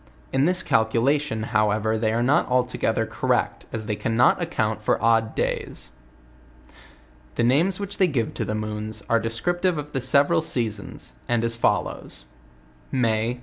In this calculation, however, they are not altogether correct, as they cannot account for odd days. The names which they give to the moons, are descriptire of the several seasons, and as follows: May